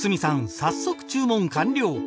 早速注文完了。